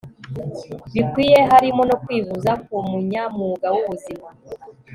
bikwiye harimo no kwivuza ku munyamwuga w ubuzima